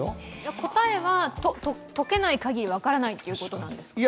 答えは解けないかぎり分からないということですか？